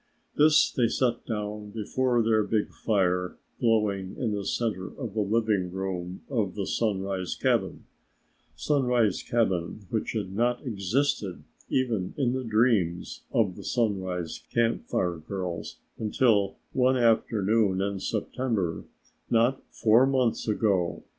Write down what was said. This they set down before their big fire glowing in the center of the living room of the Sunrise cabin Sunrise cabin which had not existed even in the dreams of the Sunrise Camp Fire girls until one afternoon in September not four months ago.